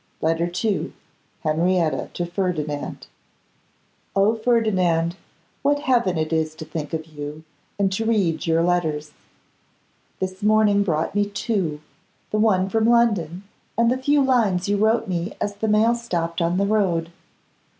Letter II. Henrietta to Ferdinand. O Ferdinand, what heaven it is to think of you, and to read your letters! This morning brought me two; the one from London, and the few lines you wrote me as the mail stopped on the road.